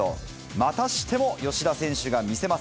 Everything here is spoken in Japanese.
またしても吉田選手が見せます。